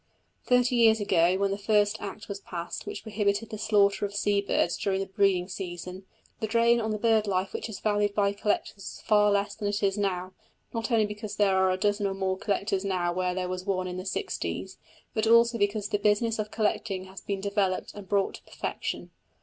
Thirty years ago, when the first Act was passed, which prohibited the slaughter of sea birds during the breeding season, the drain on the bird life which is valued by collectors was far less than it is now; not only because there are a dozen or more collectors now where there was one in the sixties, but also because the business of collecting has been developed and brought to perfection.